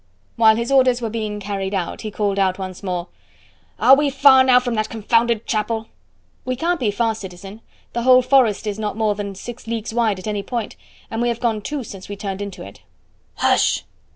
While his orders were being carried out, he called out once more: "Are we far now from that confounded chapel?" "We can't be far, citizen; the whole forest is not more than six leagues wide at any point, and we have gone two since we turned into it." "Hush!"